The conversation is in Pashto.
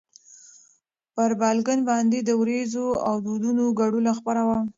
پر بالکن باندې د ورېځو او دودونو ګډوله خپره وه.